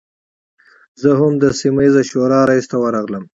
زه هم د سیمه ییزې شورا رئیس ته ورغلم.